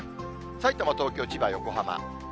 さいたま、東京、千葉、横浜。